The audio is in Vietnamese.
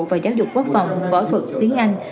và giáo dục quốc phòng võ thuật tiếng anh